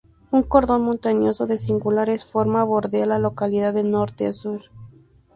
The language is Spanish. Un cordón montañoso de singulares formas bordea la Localidad de Norte a Sur.